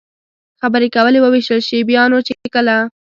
خبرې کولې، ووېشتل شي، بیا نو چې کله.